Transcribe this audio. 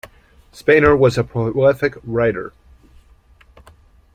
Spener was a prolific writer.